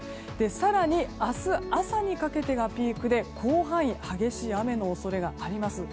更に明日朝にかけてがピークで広範囲で激しい雨の恐れがあります。